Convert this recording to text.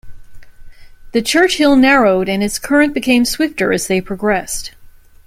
The Churchill narrowed and its current became swifter as they progressed.